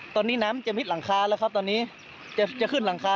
ตอนนี้น้ำจะมิดหลังคาแล้วครับตอนนี้จะขึ้นหลังคา